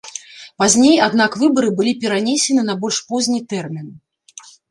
Пазней аднак выбары былі перанесены на больш позні тэрмін.